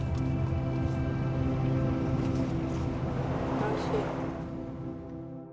おいしい。